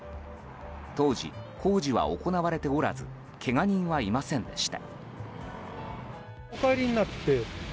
当時、工事は行われておらずけが人はいませんでした。